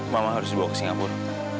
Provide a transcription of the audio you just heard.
malah harus dibawa ke singapura